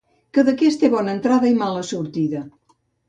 Cadaqués té bona entrada i mala sortida.